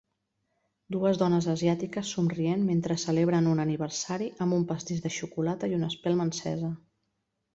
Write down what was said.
Dues dones asiàtiques somrient mentre celebren un aniversari amb un pastís de xocolata i una espelma encesa.